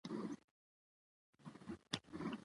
که نه شې راتلی نو ما ته ووايه